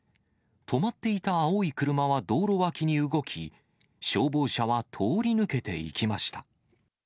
止まっていた青い車は道路脇に動き、消防車は通り抜けていきました。